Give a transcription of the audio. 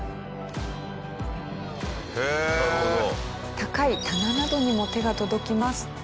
高い棚などにも手が届きます。